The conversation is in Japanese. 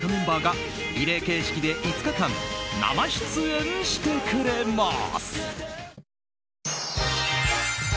ご覧の豪華メンバーがリレー形式で５日間生出演してくれます。